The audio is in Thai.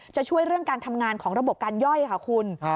ช่วยเรื่องการทำงานของระบบการย่อยค่ะคุณ